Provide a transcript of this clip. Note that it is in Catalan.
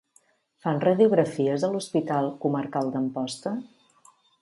Fan radiografies a l'Hospital Comarcal d'Amposta?